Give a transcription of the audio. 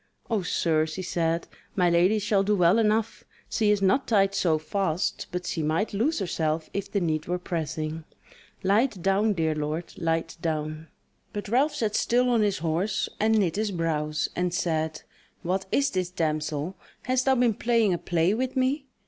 "O sir," she said; "My lady shall do well enough: she is not tied so fast, but she might loose herself if the need were pressing. Light down, dear lord, light down!" But Ralph sat still on his horse, and knit his brows, and said: "What is this, damsel? hast thou been playing a play with me?